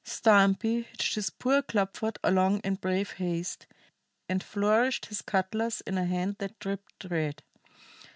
Stumpy hitched his poor clubfoot along in brave haste, and flourished his cutlas in a hand that dripped red.